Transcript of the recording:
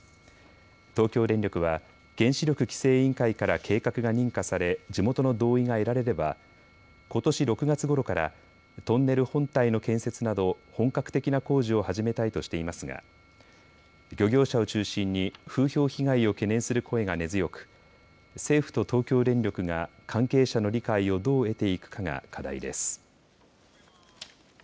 東京電力は原子力規制委員会から計画が認可され地元の同意が得られればことし６月ごろからトンネル本体の建設など本格的な工事を始めたいとしていますが漁業者を中心に風評被害を懸念する声が根強く政府と東京電力が関係者の理解をどう得ていくかが課題です。